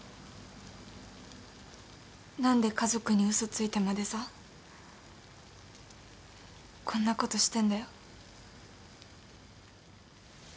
何で家族に嘘ついてまでさこんなことしてんだよ？